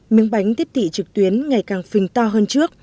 miếng bánh tiếp thị trực tuyến ngày càng phình to hơn trước